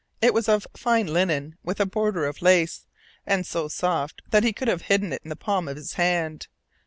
It was of fine linen with a border of lace, and so soft that he could have hidden it in the palm of his hand.